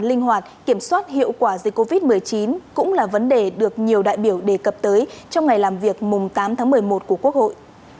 linh hoạt kiểm soát hiệu quả dịch covid một mươi chín cũng là vấn đề được nhiều đại biểu đề cập tới trong ngày làm việc mùng tám tháng một mươi một của quốc hội